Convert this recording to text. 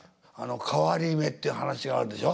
「替り目」っていう噺があるでしょ。